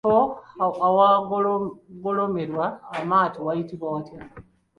Ekifo awagolomolerwa amaato wayitibwa watya?